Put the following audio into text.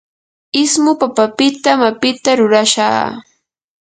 ismu papapitam apita rurashaa.